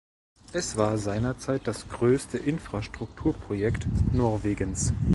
Es war seinerzeit das größte Infrastrukturprojekt Norwegens.